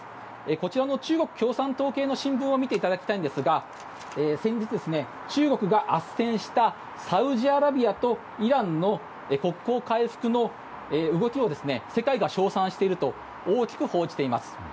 こちらの中国共産党系の新聞を見ていただきたいんですが先日、中国があっせんしたサウジアラビアとイランの国交回復の動きを世界が称賛していると大きく報じています。